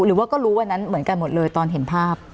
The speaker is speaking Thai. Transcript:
หรือว่าก็รู้วันนั้นเหมือนกันหมดเลยตอนเห็นภาพ